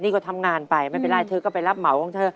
นี่ก็ทำงานไปไม่เป็นไรเธอก็ไปรับเหมาของเธอ